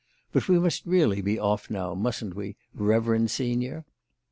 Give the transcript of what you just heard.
But we must really be off now, mustn't we, reverend senior?"